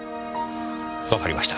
わかりました。